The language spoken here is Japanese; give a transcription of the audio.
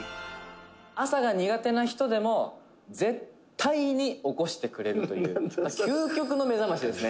「朝が苦手な人でも絶対に起こしてくれるという究極の目覚ましですね」